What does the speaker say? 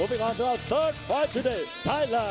ต่อไปกันที่๓ของเราไทยนี้